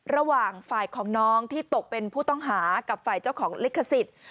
ระหว่างฝ่ายของน้องที่ตกเป็นผู้ต้องหากับฝ่ายเจ้าของลิขสิทธิ์